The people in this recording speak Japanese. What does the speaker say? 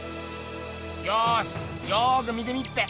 よしよく見てみっぺ！